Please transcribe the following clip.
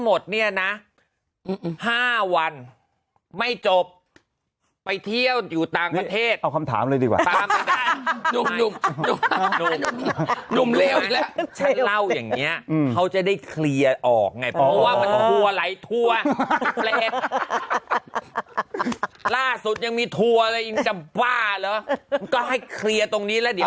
จะบอกเนี้ยนะ๕วันไม่จบไปเที่ยวอยู่ต่างประเทศเอาความถามเลยดิ